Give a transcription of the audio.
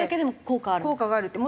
効果があるって。